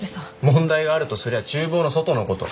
問題があるとすりゃ厨房の外のこと。